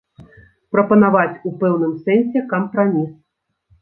Прапанаваць у пэўным сэнсе кампраміс.